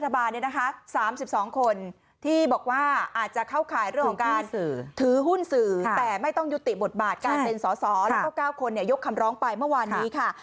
บทบาทการเป็นสอสอแล้วก็เก้าคนยกคำร้องไปเมื่อวานนี้ค่ะ